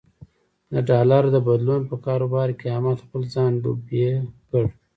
د ډالر د بدلون په کاروبار کې احمد خپل ځان ډوب یې کړ.